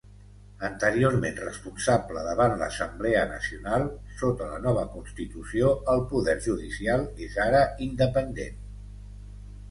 Anteriorment responsable davant l'Assemblea Nacional, sota la nova constitució el poder judicial és ara independent.